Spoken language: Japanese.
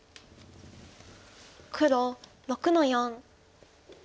黒６の四。